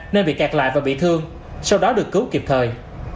nên bị kẹt lại và bị thương sau đó được cứu kịp thời